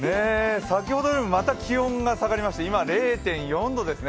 先ほどより、また気温が下がりまして、今、０．４度ですね。